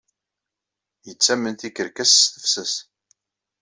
Yettamen tikerkas s tefses.